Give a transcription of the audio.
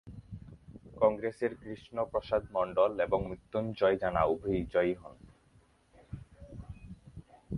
কংগ্রেসের কৃষ্ণ প্রসাদ মণ্ডল এবং মৃত্যুঞ্জয় জানা উভয়ই জয়ী হন।